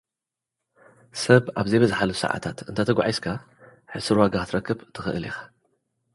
ሰብ ኣብ ዘይበዝሓሉ ሰዓታት እንተ ተጓዒዝካ፡ ሕሱር ዋጋ ኽትረክብ ትኽእል ኢኻ።